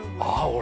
俺